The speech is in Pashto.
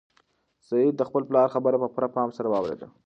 سعید د خپل پلار خبره په پوره پام سره واورېده.